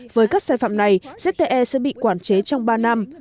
với các sai phạm này jte sẽ bị quản chế trong ba năm